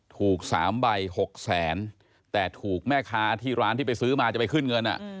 ถูก๓ใบ๖แสนแต่ถูกแม่ค้าที่ร้านที่ไปซื้อมาจะไปขึ้นเงิน